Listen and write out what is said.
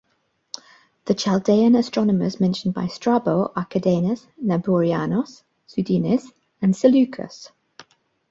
The "Chaldaean" astronomers mentioned by Strabo are Kidenas, Naburianos, Sudines, and Seleukos.